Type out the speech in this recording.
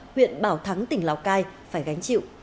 huyện bảo thắng tỉnh lào cai phải gánh chịu